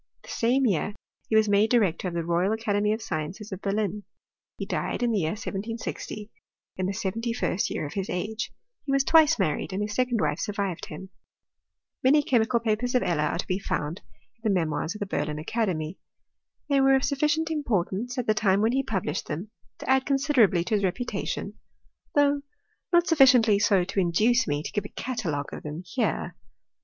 The same year he wag made director of the Royal Academy of Sciences of Berlin. He died in the year 1760, in the seventy firet year of his age. He was twice mamed, and his secon4 wife survived him. Many chemical peters of ^ler are to be fpufid ip THEORY IN CHEMISTRY. 271 the memoirs of the Berlin Academy. They were of sufficient importance, at the time when he published them, to add considerably to his reputation, though not sufficiently so to induce me to give a catalogue of tliem here.